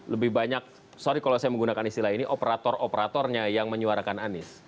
lebih banyak sorry kalau saya menggunakan istilah ini operator operatornya yang menyuarakan anies